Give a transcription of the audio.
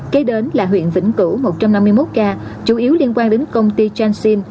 kế đến là huyện vĩnh cửu một trăm năm mươi một ca chủ yếu liên quan đến công ty changsin